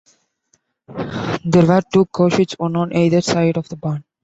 There were two cowsheds, one on either side of the barn.